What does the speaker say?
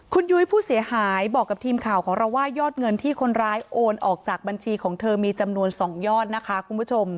คุณยุ้ยผู้เสียหายบอกกับทีมข่าวของเราว่ายอดเงินที่คนร้ายโอนออกจากบัญชีของเธอมีจำนวน๒ยอดนะคะคุณผู้ชม